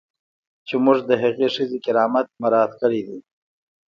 چې موږ د هغې ښځې کرامت مراعات کړی دی.